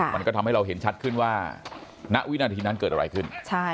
มันก็ทำให้เราเห็นชัดขึ้นว่าณวินาทีนั้นเกิดอะไรขึ้น